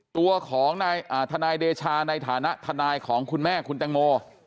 ตัวของทนายเดชาในฐานะทนายของคุณแม่คุณแตงโม